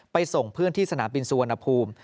ส่งเพื่อนที่สนามบินสุวรรณภูมิ